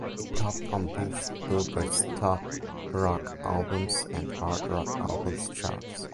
It topped on both "Billboard"s Top Rock Albums and Hard Rock Albums charts.